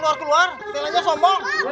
saya juga mau minta foto pak capt